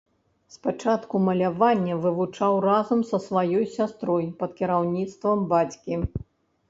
Спачатку маляванне вывучаў разам са сваёй сястрой пад кіраўніцтвам бацькі.